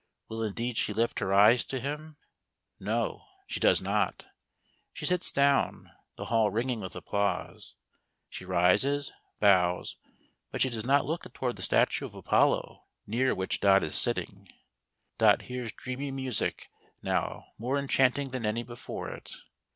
Will indeed she lift her eyes to him } No, she does not. She sits down, the hall rinQ:inQ: with applause. She rises, bows, but she does not look toward the statue of Apollo, near which Dot is sitting. Dot hears dreamy music now, more enchanting than any before it.